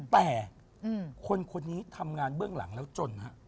แต่คนคนนี้ทำงานเบื้องหลังแล้วจนฮะ